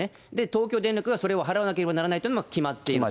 東京電力がそれを払わなければいけないというのは決まっている。